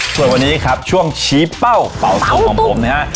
ส่วนวันนี้ครับช่วงชี้เป้าเป่าทงของผมนะฮะ